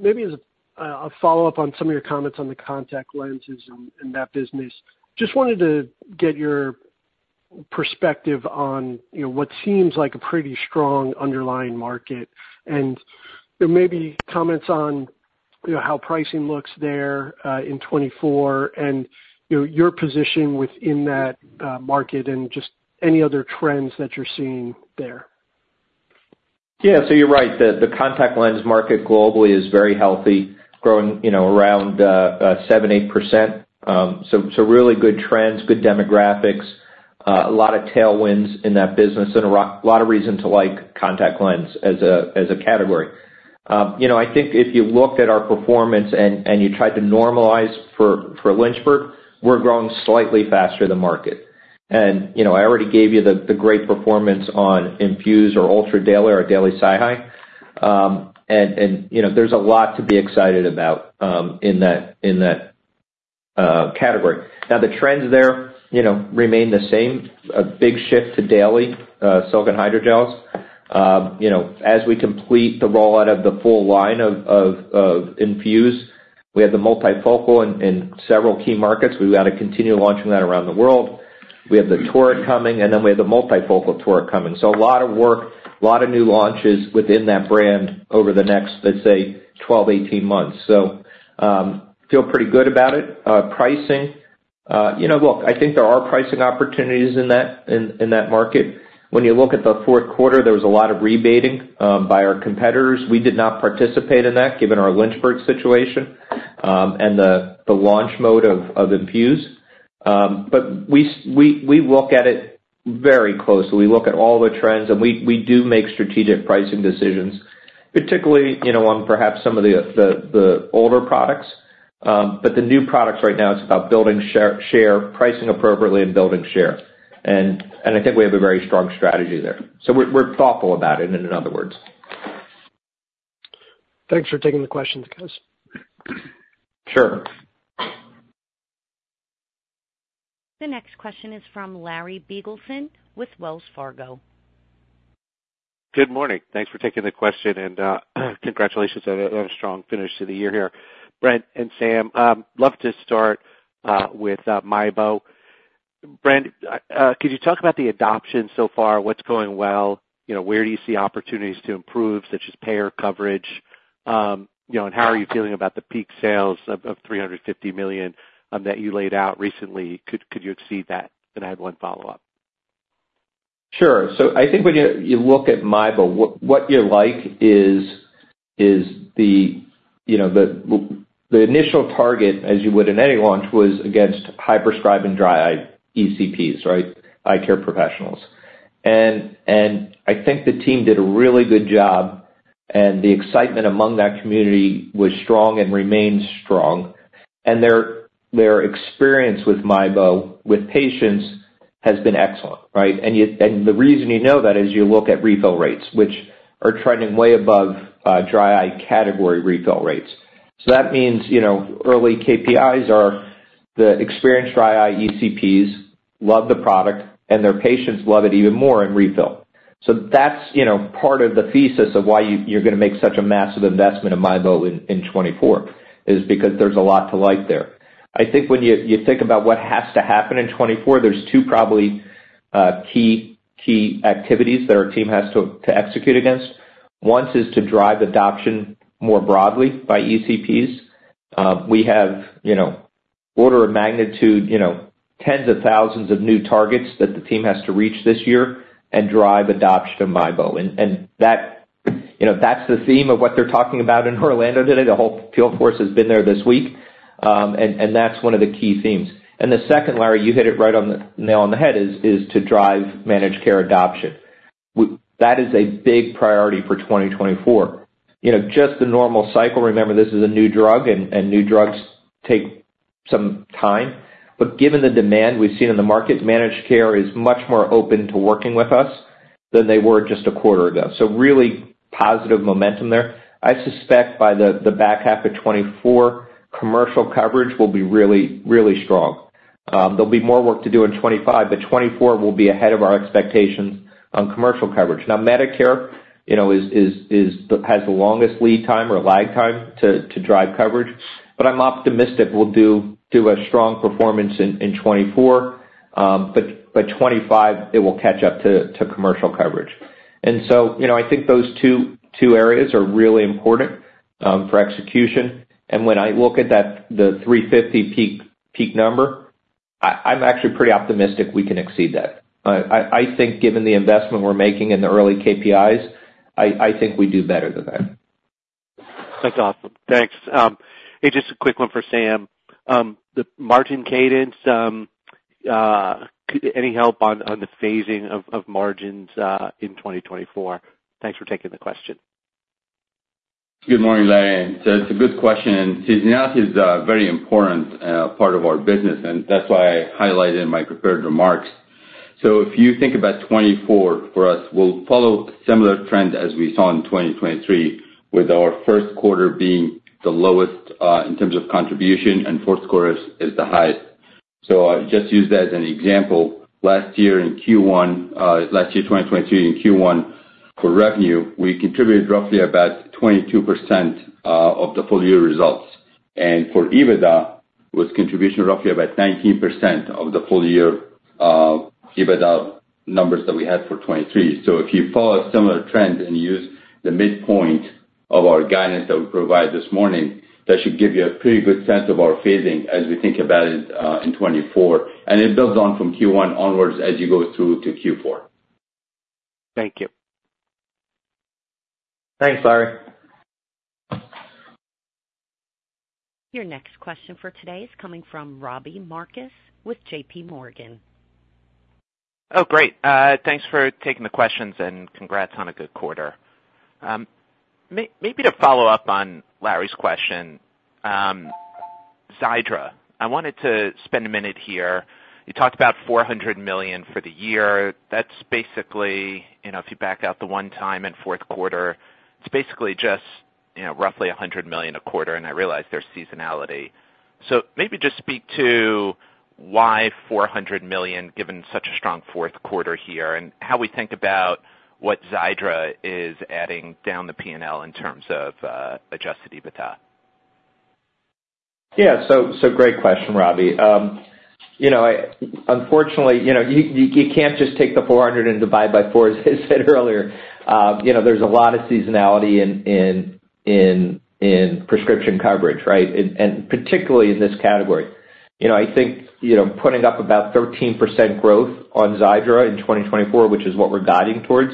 maybe as a follow-up on some of your comments on the contact lenses and that business, just wanted to get your perspective on what seems like a pretty strong underlying market. And maybe comments on how pricing looks there in 2024 and your position within that market and just any other trends that you're seeing there. Yeah. So you're right. The contact lens market globally is very healthy, growing around 7%-8%. So really good trends, good demographics, a lot of tailwinds in that business, and a lot of reason to like contact lens as a category. I think if you looked at our performance and you tried to normalize for Lynchburg, we're growing slightly faster than market. And I already gave you the great performance on Infuse or Ultra daily or daily SiHy. And there's a lot to be excited about in that category. Now, the trends there remain the same, a big shift to daily silicone hydrogels. As we complete the rollout of the full line of Infuse, we have the multifocal in several key markets. We got to continue launching that around the world. We have the Toric coming. And then we have the multifocal Toric coming. So a lot of work, a lot of new launches within that brand over the next, let's say, 12-18 months. So feel pretty good about it. Pricing, look, I think there are pricing opportunities in that market. When you look at the fourth quarter, there was a lot of rebating by our competitors. We did not participate in that, given our Lynchburg situation and the launch mode of Infuse. But we look at it very closely. We look at all the trends. And we do make strategic pricing decisions, particularly on perhaps some of the older products. But the new products right now, it's about building share, pricing appropriately, and building share. And I think we have a very strong strategy there. So we're thoughtful about it, in other words. Thanks for taking the questions, guys. Sure. The next question is from Larry Biegelsen with Wells Fargo. Good morning. Thanks for taking the question. Congratulations on a strong finish to the year here. Brent and Sam, love to start with MIEBO. Brent, could you talk about the adoption so far? What's going well? Where do you see opportunities to improve, such as payer coverage? How are you feeling about the peak sales of $350 million that you laid out recently? Could you exceed that? And I had one follow-up. Sure. So I think when you look at MIEBO, what you like is the initial target, as you would in any launch, was against high-prescribing dry eye ECPs, right, eye care professionals. I think the team did a really good job. The excitement among that community was strong and remains strong. Their experience with MIEBO with patients has been excellent, right? The reason you know that is you look at refill rates, which are trending way above dry eye category refill rates. So that means early KPIs are the experienced dry eye ECPs love the product. Their patients love it even more in refill. So that's part of the thesis of why you're going to make such a massive investment in MIEBO in 2024, is because there's a lot to like there. I think when you think about what has to happen in 2024, there's two probably key activities that our team has to execute against. One is to drive adoption more broadly by ECPs. We have order of magnitude, tens of thousands of new targets that the team has to reach this year and drive adoption of MIEBO. That's the theme of what they're talking about in Orlando today. The whole field force has been there this week. That's one of the key themes. The second, Larry, you hit it right on the nail on the head, is to drive managed care adoption. That is a big priority for 2024. Just the normal cycle, remember, this is a new drug. New drugs take some time. But given the demand we've seen in the market, managed care is much more open to working with us than they were just a quarter ago. So really positive momentum there. I suspect by the back half of 2024, commercial coverage will be really, really strong. There'll be more work to do in 2025. But 2024 will be ahead of our expectations on commercial coverage. Now, Medicare has the longest lead time or lag time to drive coverage. But I'm optimistic we'll do a strong performance in 2024. But 2025, it will catch up to commercial coverage. And so I think those two areas are really important for execution. And when I look at the $350 peak number, I'm actually pretty optimistic we can exceed that. I think given the investment we're making in the early KPIs, I think we do better than that. That's awesome. Thanks. Hey, just a quick one for Sam. The margin cadence, any help on the phasing of margins in 2024? Thanks for taking the question. Good morning, Larry. It's a good question. Seasonality is a very important part of our business. That's why I highlighted in my prepared remarks. If you think about 2024 for us, we'll follow a similar trend as we saw in 2023, with our first quarter being the lowest in terms of contribution. Fourth quarter is the highest. Just use that as an example. Last year in Q1, last year, 2023, in Q1 for revenue, we contributed roughly about 22% of the full-year results. For EBITDA, it was contribution roughly about 19% of the full-year EBITDA numbers that we had for 2023. If you follow a similar trend and use the midpoint of our guidance that we provide this morning, that should give you a pretty good sense of our phasing as we think about it in 2024. It builds on from Q1 onwards as you go through to Q4. Thank you. Thanks, Larry. Your next question for today is coming from Robbie Marcus with J.P. Morgan. Oh, great. Thanks for taking the questions. And congrats on a good quarter. Maybe to follow up on Larry's question, XIIDRA, I wanted to spend a minute here. You talked about $400 million for the year. If you back out the one-time and fourth quarter, it's basically just roughly $100 million a quarter. And I realize there's seasonality. So maybe just speak to why $400 million, given such a strong fourth quarter here, and how we think about what XIIDRA is adding down the P&L in terms of Adjusted EBITDA. Yeah. So great question, Robbie. Unfortunately, you can't just take the 400 and divide by 4, as I said earlier. There's a lot of seasonality in prescription coverage, right, and particularly in this category. I think putting up about 13% growth on XIIDRA in 2024, which is what we're guiding towards,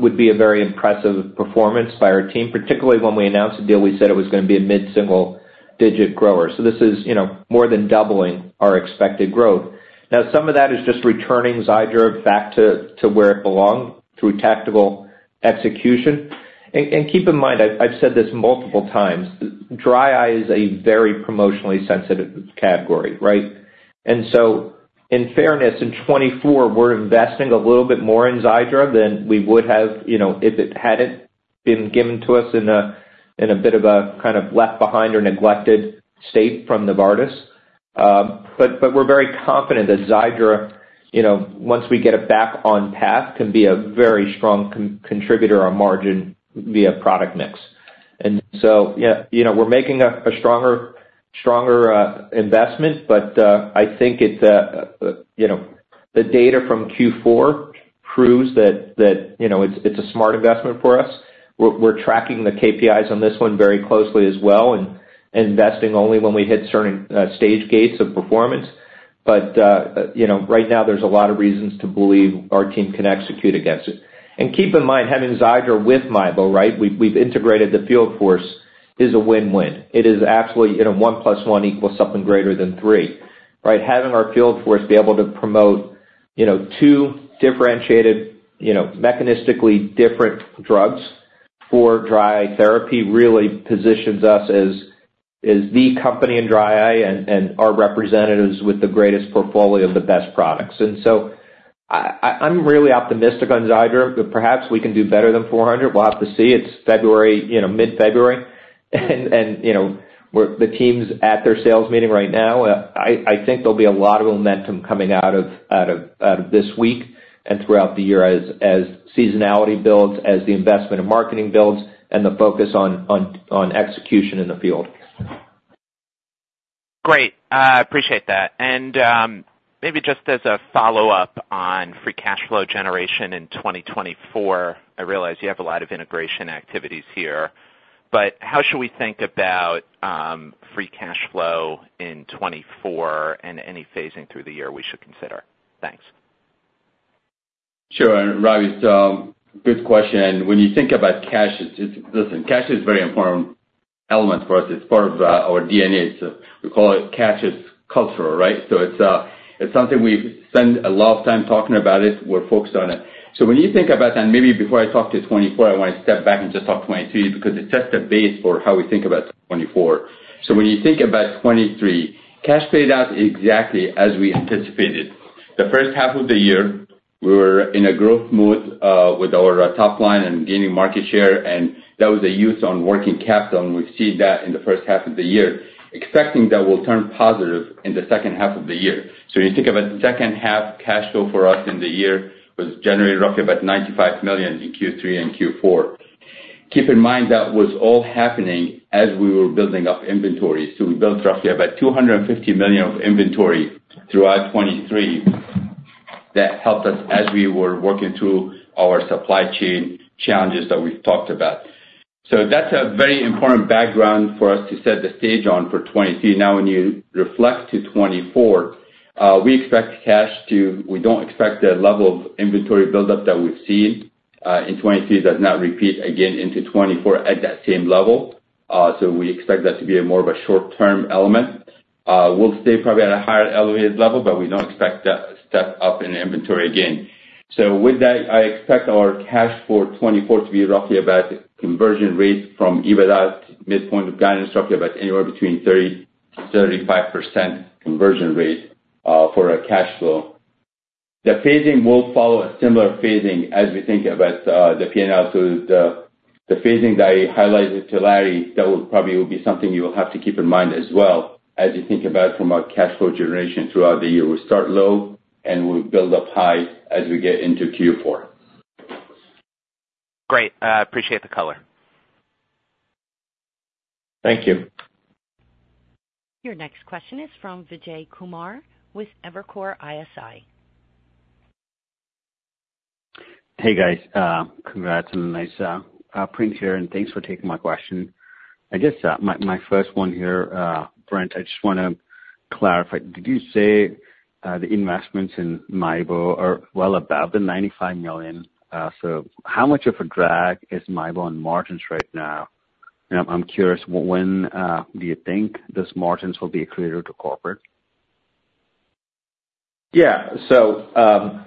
would be a very impressive performance by our team, particularly when we announced the deal, we said it was going to be a mid-single-digit grower. So this is more than doubling our expected growth. Now, some of that is just returning XIIDRA back to where it belonged through tactical execution. And keep in mind, I've said this multiple times, dry eye is a very promotionally sensitive category, right? In fairness, in 2024, we're investing a little bit more in XIIDRA than we would have if it hadn't been given to us in a bit of a kind of left-behind or neglected state from Novartis. But we're very confident that XIIDRA, once we get it back on path, can be a very strong contributor on margin via product mix. And so we're making a stronger investment. But I think the data from Q4 proves that it's a smart investment for us. We're tracking the KPIs on this one very closely as well and investing only when we hit certain stage gates of performance. But right now, there's a lot of reasons to believe our team can execute against it. And keep in mind, having XIIDRA with MIEBO, right, we've integrated the field force, is a win-win. It is absolutely 1 + 1 equals something greater than 3, right? Having our field force be able to promote two differentiated, mechanistically different drugs for dry eye therapy really positions us as the company in dry eye and our representatives with the greatest portfolio of the best products. So I'm really optimistic on XIIDRA. Perhaps we can do better than 400. We'll have to see. It's mid-February. The team's at their sales meeting right now. I think there'll be a lot of momentum coming out of this week and throughout the year as seasonality builds, as the investment in marketing builds, and the focus on execution in the field. Great. I appreciate that. Maybe just as a follow-up on free cash flow generation in 2024, I realize you have a lot of integration activities here. How should we think about free cash flow in 2024 and any phasing through the year we should consider? Thanks. Sure, Robbie. So good question. And when you think about cash, listen, cash is a very important element for us. It's part of our DNA. We call it cash is cultural, right? So it's something we spend a lot of time talking about. We're focused on it. So when you think about that, and maybe before I talk to 2024, I want to step back and just talk 2023 because it sets the base for how we think about 2024. So when you think about 2023, cash paid out exactly as we anticipated. The first half of the year, we were in a growth mode with our top line and gaining market share. And that was a use on working capital. And we've seen that in the first half of the year, expecting that will turn positive in the second half of the year. So when you think about the second half, cash flow for us in the year was generated roughly about $95 million in Q3 and Q4. Keep in mind that was all happening as we were building up inventory. So we built roughly about $250 million of inventory throughout 2023. That helped us as we were working through our supply chain challenges that we've talked about. So that's a very important background for us to set the stage on for 2023. Now, when you reflect to 2024, we don't expect the level of inventory buildup that we've seen in 2023 does not repeat again into 2024 at that same level. So we expect that to be more of a short-term element. We'll stay probably at a higher elevated level. But we don't expect that step up in inventory again. So with that, I expect our cash for 2024 to be roughly about conversion rate from EBITDA to midpoint of guidance, roughly about anywhere between 30%-35% conversion rate for our cash flow. The phasing will follow a similar phasing as we think about the P&L. So the phasing that I highlighted to Larry, that probably will be something you'll have to keep in mind as well as you think about from our cash flow generation throughout the year. We'll start low. We'll build up high as we get into Q4. Great. I appreciate the color. Thank you. Your next question is from Vijay Kumar with Evercore ISI. Hey, guys. Congrats on a nice print here. And thanks for taking my question. I guess my first one here, Brent, I just want to clarify. Did you say the investments in MIEBO are well above the $95 million? So how much of a drag is MIEBO on margins right now? And I'm curious, when do you think those margins will be accrued to corporate? Yeah. So I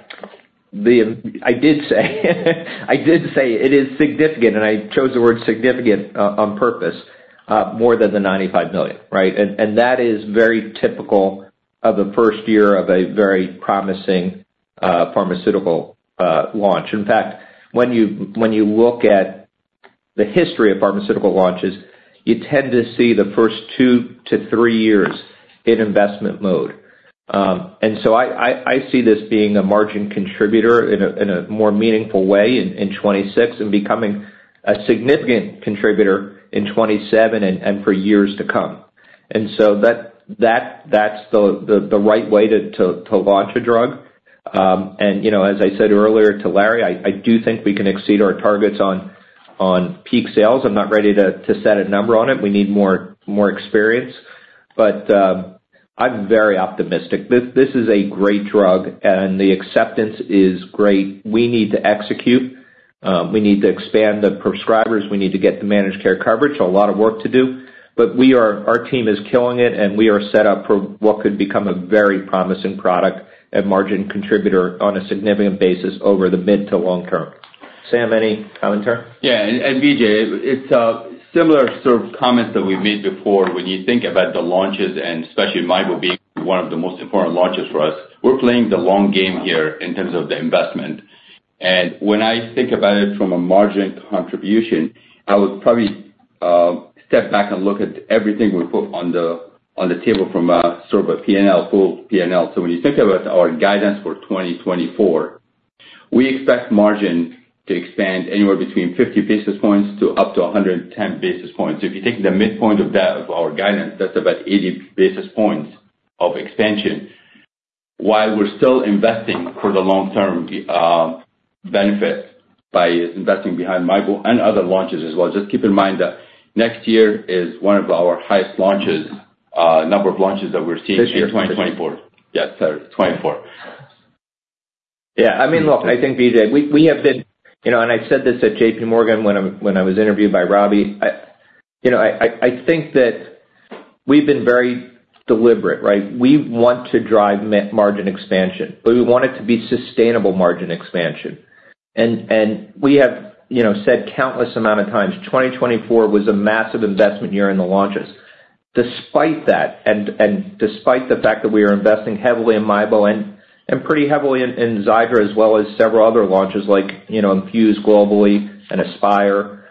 did say it is significant. And I chose the word significant on purpose, more than the $95 million, right? And that is very typical of the first year of a very promising pharmaceutical launch. In fact, when you look at the history of pharmaceutical launches, you tend to see the first two to three years in investment mode. And so I see this being a margin contributor in a more meaningful way in 2026 and becoming a significant contributor in 2027 and for years to come. And so that's the right way to launch a drug. And as I said earlier to Larry, I do think we can exceed our targets on peak sales. I'm not ready to set a number on it. We need more experience. But I'm very optimistic. This is a great drug. And the acceptance is great. We need to execute. We need to expand the prescribers. We need to get the managed care coverage. A lot of work to do. Our team is killing it. We are set up for what could become a very promising product and margin contributor on a significant basis over the mid to long term. Sam, any commentary? Yeah. And Vijay, it's similar sort of comments that we've made before. When you think about the launches, and especially MIEBO being one of the most important launches for us, we're playing the long game here in terms of the investment. And when I think about it from a margin contribution, I would probably step back and look at everything we put on the table from sort of a full P&L. So when you think about our guidance for 2024, we expect margin to expand anywhere between 50 basis points to up to 110 basis points. So if you take the midpoint of our guidance, that's about 80 basis points of expansion, while we're still investing for the long-term benefit by investing behind MIEBO and other launches as well. Just keep in mind that next year is one of our highest number of launches that we're seeing in 2024. This year? Yeah. Sorry. 2024. Yeah. I mean, look, I think, Vijay, we have been and I said this at J.P. Morgan when I was interviewed by Robbie. I think that we've been very deliberate, right? We want to drive margin expansion. But we want it to be sustainable margin expansion. And we have said countless amount of times, 2024 was a massive investment year in the launches. Despite that and despite the fact that we are investing heavily in MIEBO and pretty heavily in XIIDRA as well as several other launches like Infuse globally and Aspire,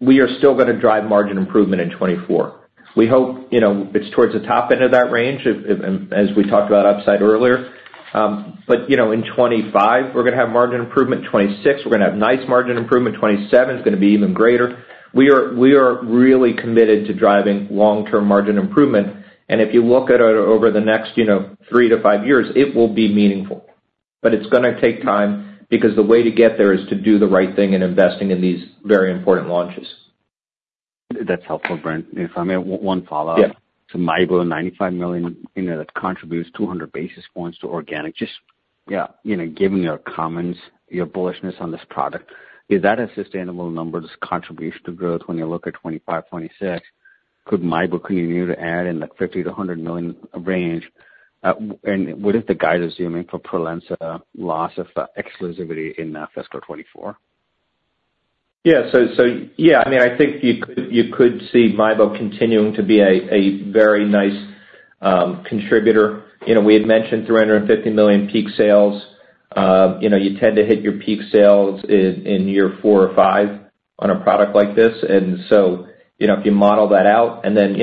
we are still going to drive margin improvement in 2024. We hope it's towards the top end of that range, as we talked about upside earlier. But in 2025, we're going to have margin improvement. 2026, we're going to have nice margin improvement. 2027 is going to be even greater. We are really committed to driving long-term margin improvement. If you look at it over the next 3-5 years, it will be meaningful. It's going to take time because the way to get there is to do the right thing in investing in these very important launches. That's helpful, Brent. If I may, one follow-up. So MIEBO, $95 million contributes 200 basis points to organic. Just given your comments, your bullishness on this product, is that a sustainable number, this contribution to growth when you look at 2025, 2026? Could MIEBO continue to add in the $50 million-$100 million range? And what is the guidance you're making for PROLENSA loss of exclusivity in fiscal 2024? Yeah. So yeah, I mean, I think you could see MIEBO continuing to be a very nice contributor. We had mentioned $350 million peak sales. You tend to hit your peak sales in year four or five on a product like this. And so if you model that out and then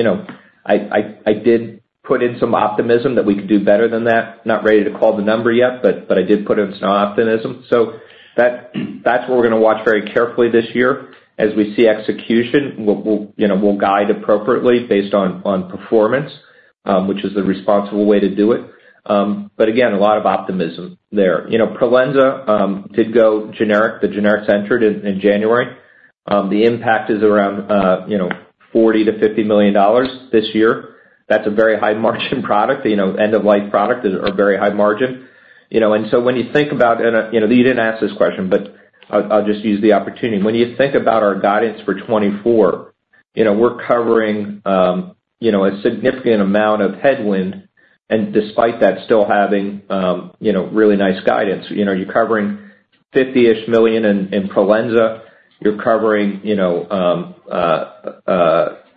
I did put in some optimism that we could do better than that, not ready to call the number yet, but I did put in some optimism. So that's what we're going to watch very carefully this year. As we see execution, we'll guide appropriately based on performance, which is the responsible way to do it. But again, a lot of optimism there. PROLENSA did go generic. The generics entered in January. The impact is around $40 million-$50 million this year. That's a very high-margin product, end-of-life product or very high margin. And so when you think about, and you didn't ask this question. But I'll just use the opportunity. When you think about our guidance for 2024, we're covering a significant amount of headwind. And despite that, still having really nice guidance. You're covering $50-ish million in PROLENSA. You're covering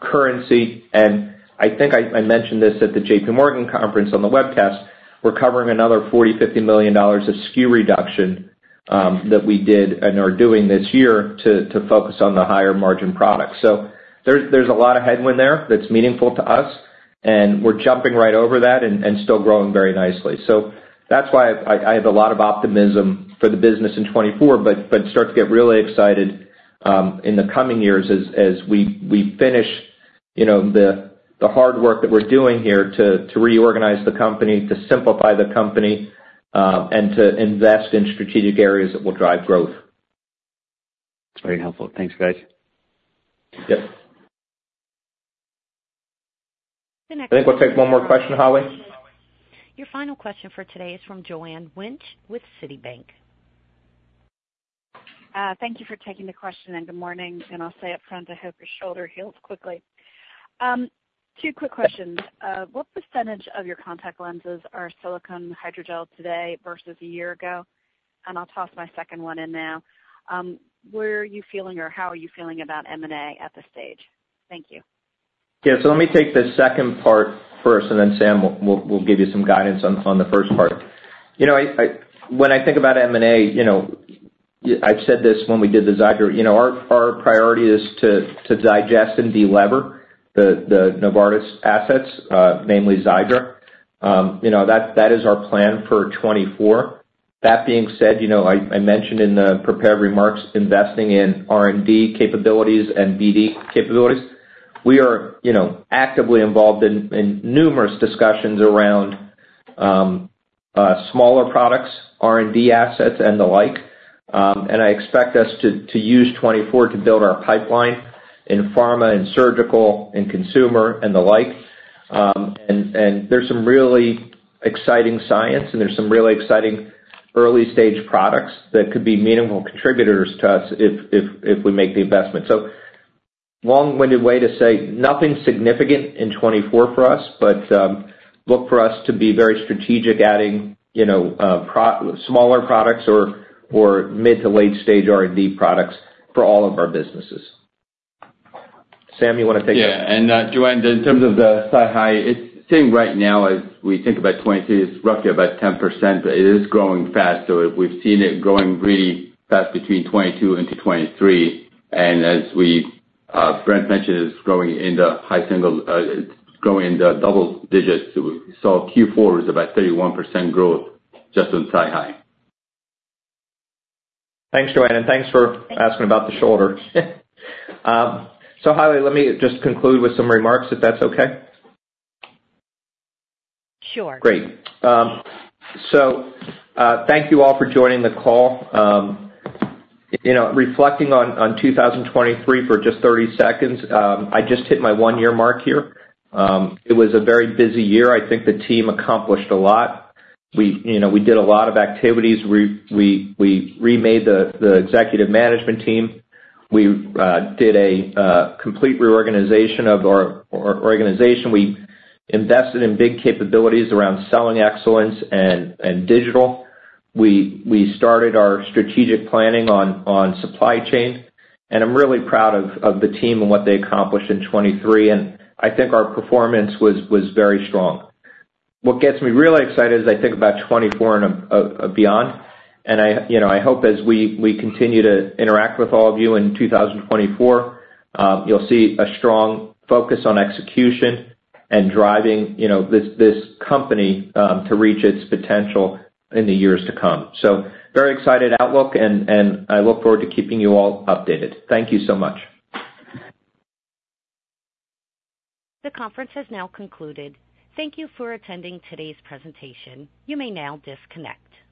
currency. And I think I mentioned this at the JP Morgan conference on the webcast. We're covering another $40-$50 million of SKU reduction that we did and are doing this year to focus on the higher-margin products. So there's a lot of headwind there that's meaningful to us. And we're jumping right over that and still growing very nicely. So that's why I have a lot of optimism for the business in 2024. Start to get really excited in the coming years as we finish the hard work that we're doing here to reorganize the company, to simplify the company, and to invest in strategic areas that will drive growth. That's very helpful. Thanks, guys. Yep. The next. I think we'll take one more question, Holly. Your final question for today is from Joanne Wuensch with Citibank. Thank you for taking the question. Good morning. I'll say up front, I hope your shoulder heals quickly. Two quick questions. What percentage of your contact lenses are silicone hydrogel today versus a year ago? I'll toss my second one in now. Where are you feeling or how are you feeling about M&A at this stage? Thank you. Yeah. So let me take the second part first. And then, Sam, we'll give you some guidance on the first part. When I think about M&A, I've said this when we did the XIIDRA. Our priority is to digest and delever the Novartis assets, namely XIIDRA. That is our plan for 2024. That being said, I mentioned in the prepared remarks investing in R&D capabilities and BD capabilities. We are actively involved in numerous discussions around smaller products, R&D assets, and the like. And I expect us to use 2024 to build our pipeline in pharma and surgical and consumer and the like. And there's some really exciting science. And there's some really exciting early-stage products that could be meaningful contributors to us if we make the investment. So long-winded way to say nothing significant in 2024 for us. But look for us to be very strategic, adding smaller products or mid to late-stage R&D products for all of our businesses. Sam, you want to take that? Yeah. And Joanne, in terms of the SiHy, it's saying right now, as we think about 2023, it's roughly about 10%. But it is growing fast. So we've seen it growing really fast between 2022 into 2023. And as Brent mentioned, it's growing in the high single it's growing in the double digits. So Q4 is about 31% growth just on SiHy. Thanks, Joanne. Thanks for asking about the shoulder. Holly, let me just conclude with some remarks, if that's okay. Sure. Great. So thank you all for joining the call. Reflecting on 2023 for just 30 seconds, I just hit my one-year mark here. It was a very busy year. I think the team accomplished a lot. We did a lot of activities. We remade the executive management team. We did a complete reorganization of our organization. We invested in big capabilities around selling excellence and digital. We started our strategic planning on supply chain. And I'm really proud of the team and what they accomplished in 2023. And I think our performance was very strong. What gets me really excited is I think about 2024 and beyond. And I hope, as we continue to interact with all of you in 2024, you'll see a strong focus on execution and driving this company to reach its potential in the years to come. So very excited outlook. I look forward to keeping you all updated. Thank you so much. The conference has now concluded. Thank you for attending today's presentation. You may now disconnect.